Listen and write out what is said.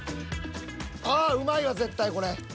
ああうまいわ絶対これ。